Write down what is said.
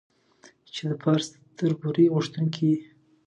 چې د پارس تر برتري غوښتونکو يې.